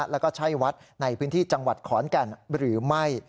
แล้วก็ใช่วัดในพื้นที่จังหวัดขอนแก่นหรือไม่